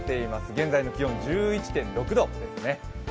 現在の気温１１．６度です。